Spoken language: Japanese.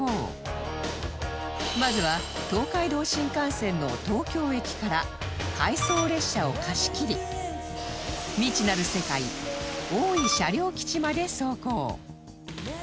まずは東海道新幹線の東京駅から回送列車を貸し切り未知なる世界大井車両基地まで走行